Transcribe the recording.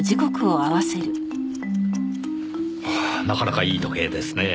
なかなかいい時計ですねえ。